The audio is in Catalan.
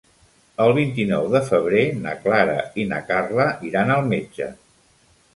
El vint-i-nou de febrer na Clara i na Carla iran al metge.